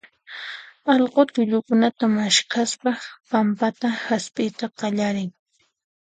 allqu tullukunata maskhaspa pampata hasp'iyta qallarin.